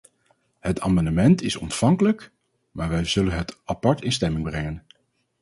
Het amendement is ontvankelijk, maar wij zullen het apart in stemming brengen.